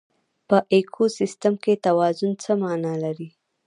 په ایکوسیستم کې توازن څه مانا لري؟